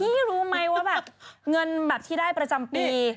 นี่รู้ไหมว่าแบบเงินแบบที่ได้ประจำปี